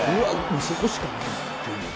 そこしかないっていう。